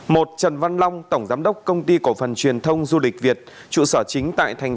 một trần văn long tổng giám đốc công ty cổ phần truyền thông du lịch việt trụ sở chính tại thành